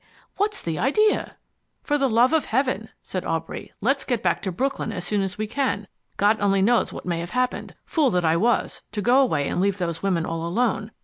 What's the idea?" "For the love of heaven," said Aubrey. "Let's get back to Brooklyn as soon as we can. God only knows what may have happened. Fool that I was, to go away and leave those women all alone.